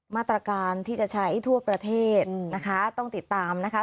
มาตรการที่จะใช้ทั่วประเทศนะคะต้องติดตามนะคะ